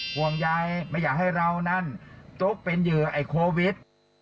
ห่วงใยไม่อยากให้เรานั้นตุ๊กเป็นเหยื่อไอ้โควิด